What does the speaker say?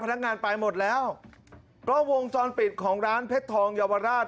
พนักงานไปหมดแล้วก็วงจรปิดของร้านเพชรทองเยาวราช